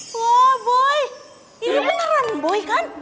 wah boy ini beneran boy kan